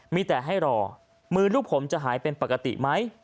มีแต่ให้รอมือลูกผมจะหายเป็นปกติไหม